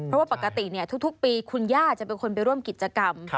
เพราะว่าปกติทุกปีคุณย่าจะเป็นคนไปร่วมกิจกรรม